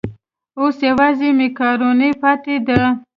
اوس یوازې مېکاروني پاتې ده.